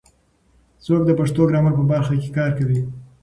څوک د پښتو ګرامر په برخه کې کار کوي؟